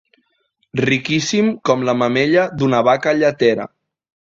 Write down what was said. Riquíssim com la mamella d'una vaca lletera.